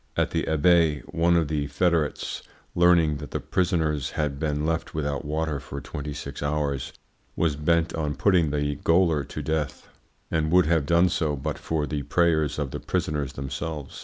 At the Abbaye, one of the federates, learning that the prisoners had been left without water for twenty six hours, was bent on putting the gaoler to death, and would have done so but for the prayers of the prisoners themselves.